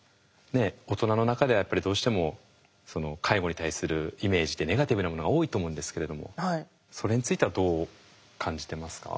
大人の中ではやっぱりどうしても介護に対するイメージってネガティブなものが多いと思うんですけれどもそれについてはどう感じてますか？